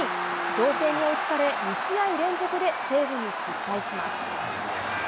同点に追いつかれ、２試合連続で、セーブに失敗します。